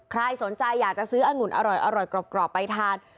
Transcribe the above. ใครสนใจอยากจะซื้อองุ่นอร่อยกรอบไปทาน